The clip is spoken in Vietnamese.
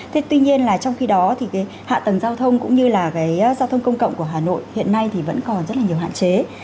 thế tuy nhiên là trong khi đó thì cái hạ tầng giao thông cũng như là cái giao thông công cộng của hà nội hiện nay thì vẫn còn rất là nhiều hạn chế